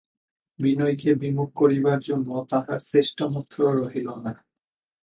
বিনয়কে বিমুখ করিবার জন্য তাহার চেষ্টামাত্র রহিল না।